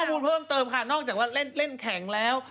ข้อมูลเพิ่มเติมค่ะนอกจากว่าเล่นแข็งแล้ว